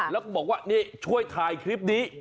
แล้วก็บอกว่านี่ช่วยถ่ายคลิปนี้